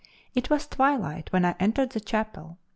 It was twilight when I entered the chapel.